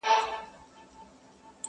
چي پیدا دی له قسمته څخه ژاړي؛